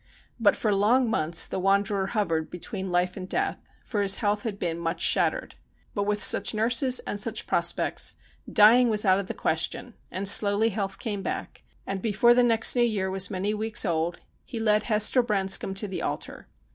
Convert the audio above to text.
But for long months the wanderer hovered between life and death, for his health had been much shattered. But with such nurses and such prospects dying was out of the question, and slowly health came back, and before the next new year was many weeks old he led Hester Branscombe to the altar.